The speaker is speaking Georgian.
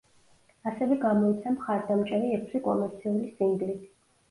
ასევე გამოიცა მხარდამჭერი ექვსი კომერციული სინგლი.